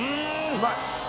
うまい。